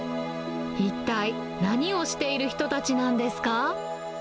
一体何をしている人たちなんですか？